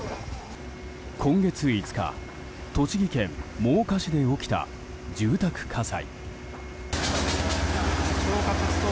今月５日栃木県真岡市で起きた住宅火災。